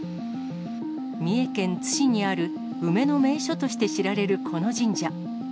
三重県津市にある梅の名所として知られるこの神社。